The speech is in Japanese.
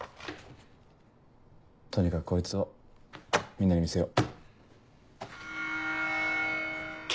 とにかくこいつをみんなに見せよう。